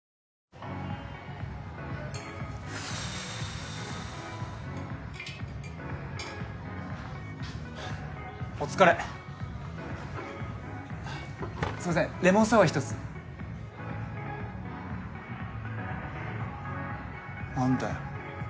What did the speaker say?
かずくん好きお疲れすいませんレモンサワー１つなんだよ